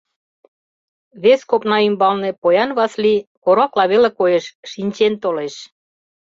Вес копна ӱмбалне поян Васлий — коракла веле коеш! — шинчен толеш...